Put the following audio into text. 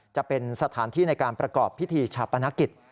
จะเป็นสถานที่ในการประกอบพิธีชาปนกิจ